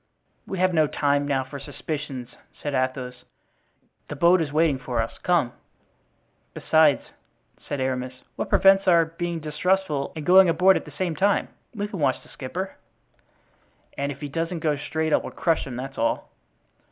"We have no time now for suspicions," said Athos. "The boat is waiting for us; come." "Besides," said Aramis, "what prevents our being distrustful and going aboard at the same time? We can watch the skipper." "And if he doesn't go straight I will crush him, that's all."